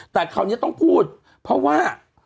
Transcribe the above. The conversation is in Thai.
แต่คราวนี้ต้องพูดเพราะว่า